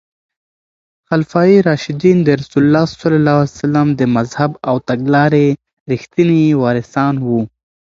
خلفای راشدین د رسول الله ص د مذهب او تګلارې رښتیني وارثان وو.